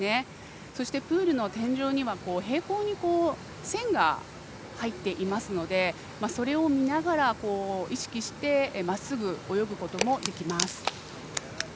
そして、プールの天井に平行に線が入っているのでそれを見ながら、意識してまっすぐ泳ぐこともできます。